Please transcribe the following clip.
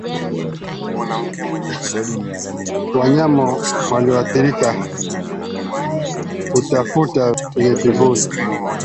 Wanyama walioathirika hutafuta penye kivuli